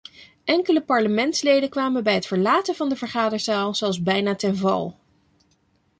Enkele parlementsleden kwamen bij het verlaten van de vergaderzaal zelfs bijna ten val.